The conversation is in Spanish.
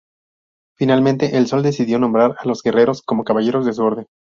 Finalmente, el sol decidió nombrar a los guerreros como caballeros de su orden.